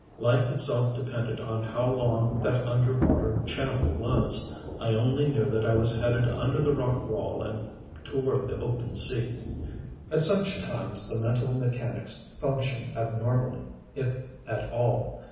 Life itself depended on how long that under water channel was. I only knew that I was headed under the rock wall and toward the open sea. At such times the mental mechanics function abnormally, if at all.